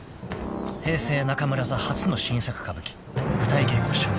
平成中村座初の新作歌舞伎舞台稽古初日］